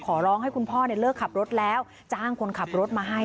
ร้องให้คุณพ่อเลิกขับรถแล้วจ้างคนขับรถมาให้